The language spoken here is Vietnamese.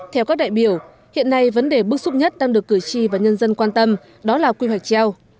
theo các đại biểu hiện nay vấn đề bức xúc nhất đang được cử tri và nhân dân quan tâm đó là quy hoạch treo